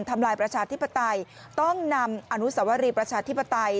ทำลายประชาธิปไตยต้องนำอนุสวรีประชาธิปไตย